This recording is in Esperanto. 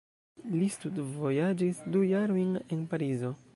Li studvojaĝis du jarojn en Parizo.